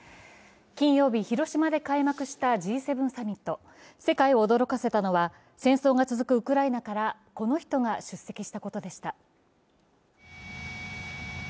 金曜日、広島で開幕したＧ７サミット世界を驚かせたのは、戦争が続くウクライナからこの人が出席したことでした。